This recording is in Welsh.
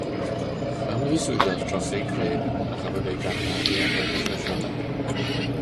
Ymddiswyddodd dros ei gred a chafodd ei garcharu am weddill y rhyfel